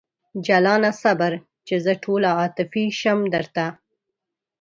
جلانه صبر! چې زه ټوله عاطفي شم درته